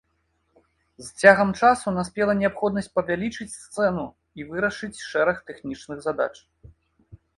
З цягам часу наспела неабходнасць павялічыць сцэну і вырашыць шэраг тэхнічных задач.